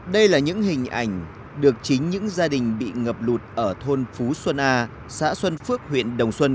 đây là những hình ảnh được chính những gia đình bị ngập lụt ở thôn phú xuân a xã xuân phước huyện đồng xuân